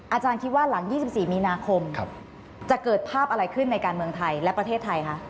อาจารย์คิดว่าหลัง๒๔มีนาคมจะเกิดภาพอะไรขึ้นในการเมืองไทยและประเทศไทยคะ